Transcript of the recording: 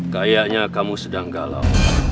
kayaknya kamu sedang galau